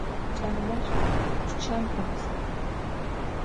Ç'aler pççem 'ut.